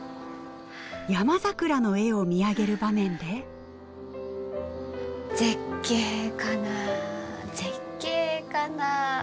ヤマザクラの絵を見上げる場面で「絶景かな絶景かな。